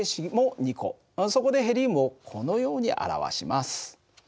そこでヘリウムをこのように表します。